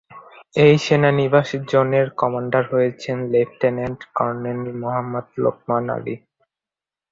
এই সেনানিবাস জোনের কমান্ডার হচ্ছেন লেফটেন্যান্ট কর্ণেল মোহাম্মদ লোকমান আলী।